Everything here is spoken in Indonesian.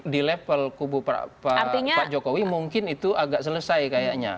di level kubu pak jokowi mungkin itu selesai segitiga